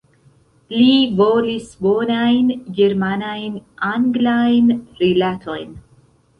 Li volis bonajn germanajn-anglajn rilatojn.